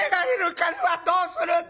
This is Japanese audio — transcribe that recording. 金はどうするんだ？』。